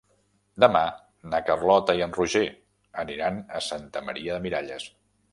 Demà na Carlota i en Roger aniran a Santa Maria de Miralles.